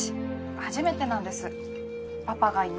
初めてなんですパパがいない夜って。